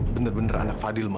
bener bener anak fadil ma